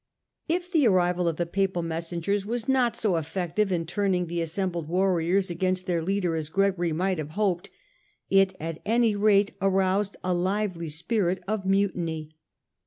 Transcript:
If the arrival of the Papal messengers was not so effective in turning the assembled warriors against their leader as Gregory might have hoped, it at any rate aroused a lively spirit of mutiny.